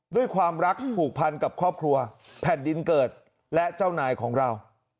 ด้วยความรักผูกพันกับครอบครัวแผ่นดินเกิดและเจ้านายของเรา